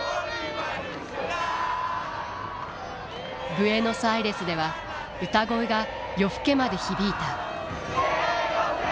ブエノスアイレスでは歌声が夜更けまで響いた。